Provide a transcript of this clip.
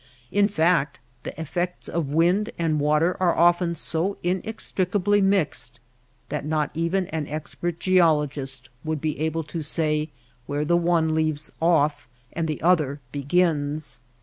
In fact the effects of wind and water are often so inextricably mixed that not even an expert geol ogist would be able to say where the one leaves off and the other begins.